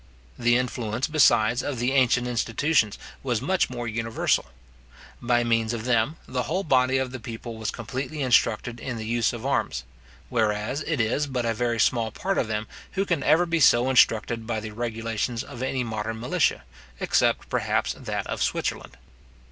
The influence, besides, of the ancient institutions, was much more universal. By means of them, the whole body of the people was completely instructed in the use of arms; whereas it is but a very small part of them who can ever be so instructed by the regulations of any modern militia, except, perhaps, that of Switzerland.